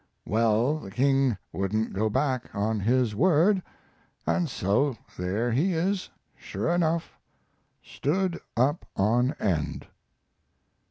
Well, the King wouldn't go back on his word, and so there he is, sure enough stood up on end."